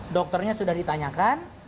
dokternya sudah ditanyakan